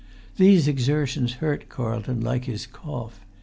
These exertions hurt Carlton like his cough.